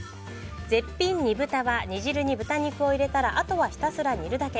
絶品煮豚は煮汁に豚肉を入れたらあとはひたすら煮るだけ。